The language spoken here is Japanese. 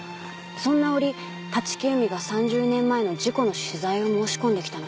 「そんな折立木由美が三十年前の事故の取材を申し込んできたのです」